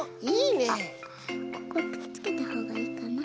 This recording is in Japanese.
ここくっつけたほうがいいかな。